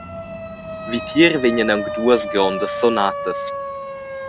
Vitier vegnan aunc duas grondas sonatas.